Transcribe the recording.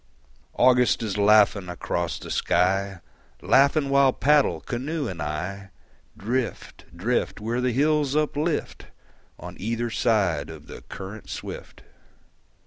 August is laughing across the sky, Laughing while paddle, canoe and I, Drift, drift, Where the hills uplift On either side of the current swift.